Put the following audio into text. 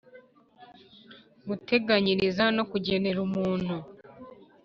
guteganyiriza no kugenera umuntu